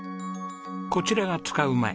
こちらが使う前。